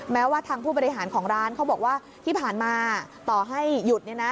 แม้ว่าทางผู้บริหารของร้านเขาบอกว่าที่ผ่านมาต่อให้หยุดเนี่ยนะ